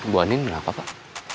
bu anin kenapa pak